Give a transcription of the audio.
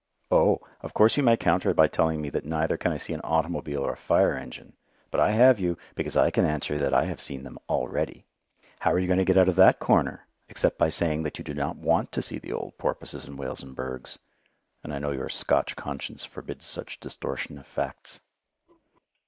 Oh! of course you may counter by telling me that neither can I see an automobile or a fire engine, but I have you, because I can answer that I have seen them already. How are you going to get out of that corner, except by saying that you do not want to see the old porpoises and whales and bergs? and I know your "Scotch" conscience forbids such distortion of facts.